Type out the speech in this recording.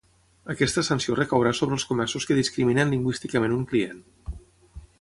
Aquesta sanció recaurà sobre els comerços que discriminin lingüísticament un client.